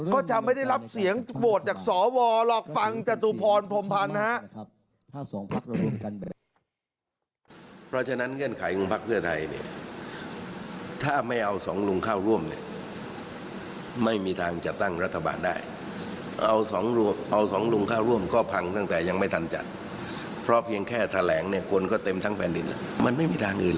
ก็จะไม่ได้รับเสียงโหวตจากสวหรอกฟังจตุพรพรมพันธ์นะครับ